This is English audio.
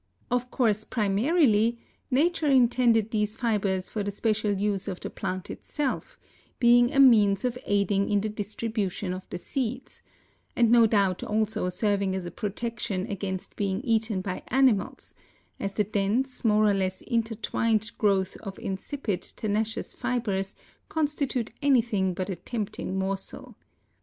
Of course primarily nature intended these fibers for the special use of the plant itself; being a means of aiding in the distribution of the seeds, and no doubt also serving as a protection against being eaten by animals, as the dense, more or less intertwined growth of insipid, tenacious fibers constitute anything but a tempting morsel.